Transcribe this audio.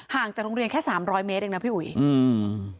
จากโรงเรียนแค่สามร้อยเมตรเองนะพี่อุ๋ยอืม